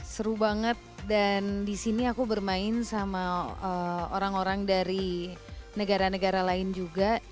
seru banget dan disini aku bermain sama orang orang dari negara negara lain juga